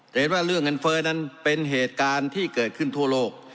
เห็นว่าเรื่องเงินเฟ้อนั้นเป็นเหตุการณ์ที่เกิดขึ้นทั่วโลก